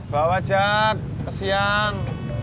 bawa jack kesian